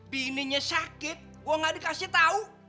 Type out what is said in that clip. bininya sakit gua gak dikasih tau